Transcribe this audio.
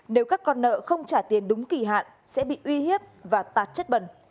nếu các con nợ không trả tiền đúng kỳ hạn sẽ bị uy hiếp và tạt chất bẩn